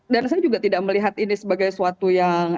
dan saya juga tidak melihat ini sebagai suatu yang